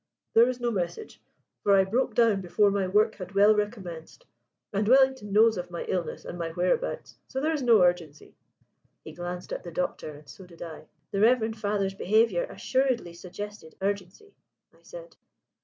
"There is no message, for I broke down before my work had well recommenced; and Wellington knows of my illness and my whereabouts, so there is no urgency." He glanced at the Doctor and so did I. "The reverend father's behaviour assuredly suggested urgency," I said.